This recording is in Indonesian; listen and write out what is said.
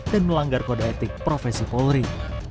dan melanggar kode etik profesi polri